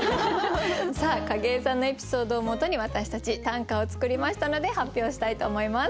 さあ景井さんのエピソードをもとに私たち短歌を作りましたので発表したいと思います。